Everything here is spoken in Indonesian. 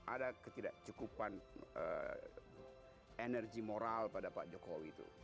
ada ketidakcukupan energi moral pada pak jokowi itu